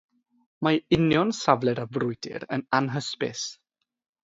Mae union safle'r frwydr yn anhysbys.